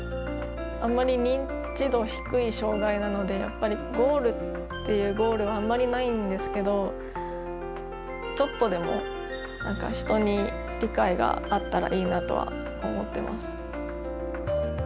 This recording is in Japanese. あんまり認知度低い障がいなので、やっぱりゴールっていうゴールはあんまりないんですけれども、ちょっとでも、なんか人に理解があったらいいなとは思ってます。